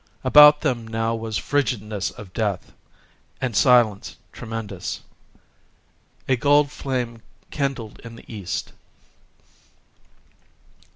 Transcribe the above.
About them now was frigidness of death,—and silence tremendous….A gold flame kindled in the east.